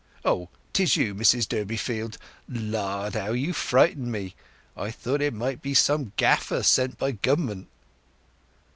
"Oh, 'tis you, Mrs Durbeyfield—Lard—how you frightened me!—I thought it might be some gaffer sent by Gover'ment."